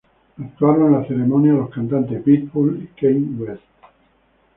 Actuaron en la ceremonia los cantantes Pitbull y Kanye West.